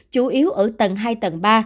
chủ yếu ở tầng hai tầng ba